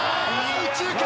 右中間！